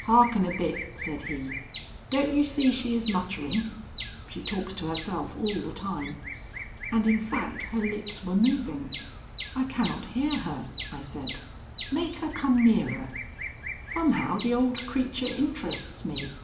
"Hearken a bit," said he. "Don't you see she is muttering? She talks to herself all the time." And in fact her lips were moving. "I cannot hear her," I said. "Make her come nearer. Somehow the old creature interests me."